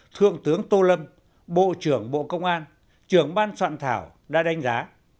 thượng tướng tô lâm bộ trưởng bộ công an trưởng ban soạn thảo đã đánh giá